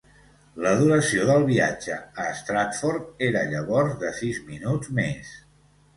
La duració del viatge a Stratford era llavors de sis minuts més.